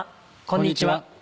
こんにちは。